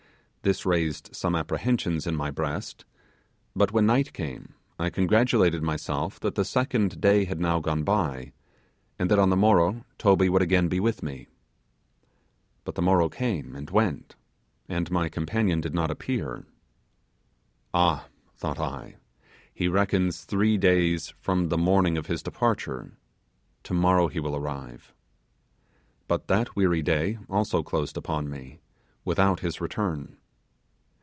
This raised some apprehensions in my breast; but when night came, I congratulated myself that the second day had now gone by, and that on the morrow Toby would again be with me. But the morrow came and went, and my companion did not appear. Ah! thought I, he reckons three days from the morning of his departure, tomorrow he will arrive. But that weary day also closed upon me, without his return.